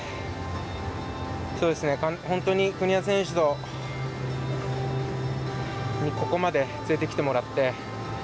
本当に国枝選手にここまで連れてきてもらって。